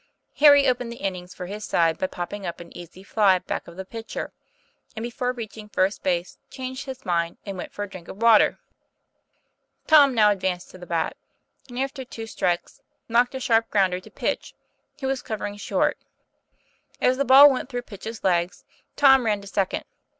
Harry opened the innings for his side by popping up an easy fly back of the pitcher, and before reach ing first base, changed his mind and went for a drink of water. Tom now advanced to the bat and, after two strikes, knocked a sharp grounder to Pitch, who was covering short. As the ball went through Pitch's legs, Tom ran to second.